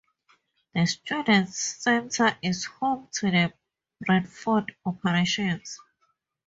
The Students' Centre is home to the Brantford Operations.